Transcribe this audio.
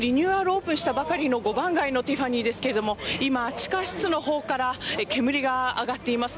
オープンしたばかりの５番街のティファニーですけれども今、地下室のほうから煙が上がっています。